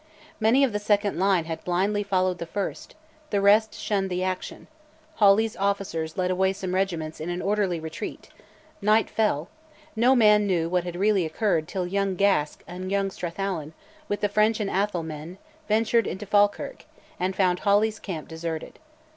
Many of the second line had blindly followed the first: the rest shunned the action; Hawley's officers led away some regiments in an orderly retreat; night fell; no man knew what had really occurred till young Gask and young Strathallan, with the French and Atholl men, ventured into Falkirk, and found Hawley's camp deserted.